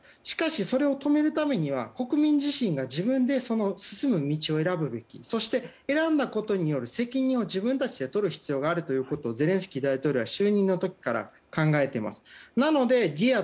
しかし、それを止めるためには国民自身が自分で進む道を選ぶべきそして、選んだことによる責任を自分たちでとる必要があることをゼレンスキー大統領は就任の時から考えています。